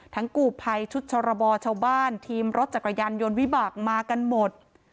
กู่ภัยชุดชรบชาวบ้านทีมรถจักรยานยนต์วิบากมากันหมด